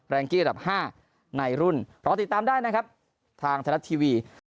แรงกิ้งอันดับ๕ในรุ่นรอติดตามได้นะครับทางธนัดทีวี